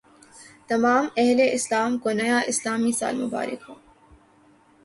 تمام اہل اسلام کو نیا اسلامی سال مبارک ہو